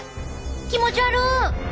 気持ち悪！